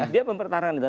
dia pempertarangan itu